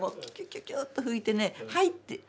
キュキュッと拭いてね「はい」って。